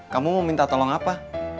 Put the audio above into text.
kamu mau minta tolong apa